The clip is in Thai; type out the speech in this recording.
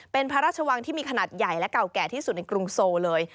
เป็นพระราชวังที่มีขนาดใหญ่และเก่าแก่ที่สุดในกรุงโซเลย